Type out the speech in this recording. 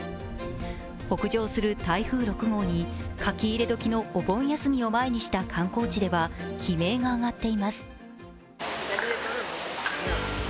北上する台風６号に、書き入れ時のお盆休みを前にした観光地では悲鳴が上がっています。